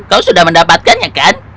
kau sudah mendapatkannya kan